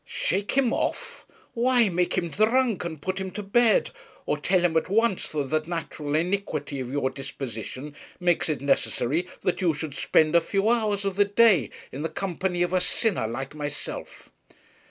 'Shake him off? Why, make him drunk and put him to bed; or tell him at once that the natural iniquity of your disposition makes it necessary that you should spend a few hours of the day in the company of a sinner like myself.